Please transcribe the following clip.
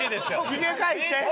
ひげ描いて。